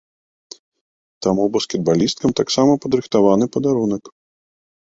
Таму баскетбалісткам таксама падрыхтаваны падарунак.